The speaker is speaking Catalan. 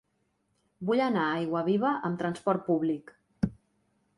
Vull anar a Aiguaviva amb trasport públic.